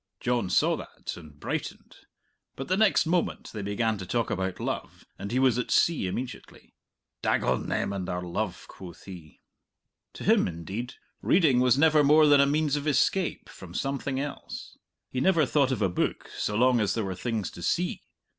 John saw that and brightened, but the next moment they began to talk about love and he was at sea immediately. "Dagon them and their love!" quoth he. To him, indeed, reading was never more than a means of escape from something else; he never thought of a book so long as there were things to see.